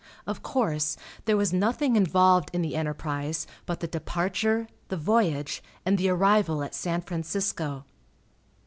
Of course, there was nothing involved in the enterprise but the departure, the voyage and the arrival at San Francisco.